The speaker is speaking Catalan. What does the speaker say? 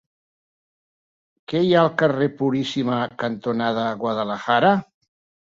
Què hi ha al carrer Puríssima cantonada Guadalajara?